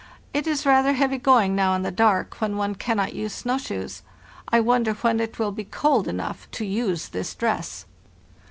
It is rather heavy going now in the dark when one cannot use snow shoes. I wonder when it will be cold enough to use this dress."